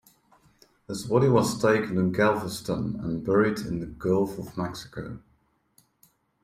His body was taken to Galveston and buried in the Gulf of Mexico.